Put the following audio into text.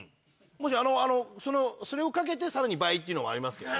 もしあのそれを賭けて更に倍っていうのもありますけど。